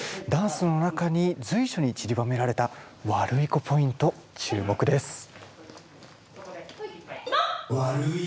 ダンスの中に随所にちりばめられたワルイコポイント注目です。